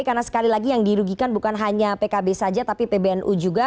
karena sekali lagi yang dirugikan bukan hanya pkb saja tapi pbnu juga